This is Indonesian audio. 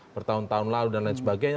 bertahun tahun lalu dan lain sebagainya